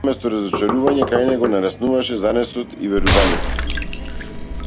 Наместо разочарување, кај него нараснуваше занесот и верувањето.